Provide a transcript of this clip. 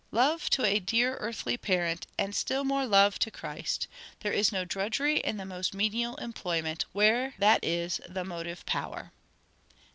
love to a dear earthly parent, and still more love to Christ: there is no drudgery in the most menial employment where that is the motive power.